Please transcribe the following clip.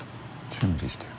準備してる。